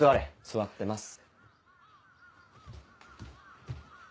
座ってます。